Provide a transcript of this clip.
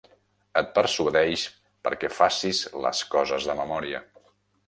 Et persuadeix perquè facis les coses de memòria.